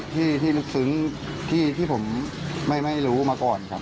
ที่ลึกซึ้งที่ผมไม่รู้มาก่อนครับ